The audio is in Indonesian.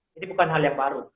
bukan hal yang baru